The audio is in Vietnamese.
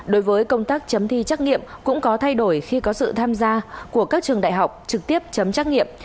đối với công tác chấm thi trắc nghiệm cũng có thay đổi khi có sự tham gia của các trường đại học trực tiếp chấm trắc nghiệm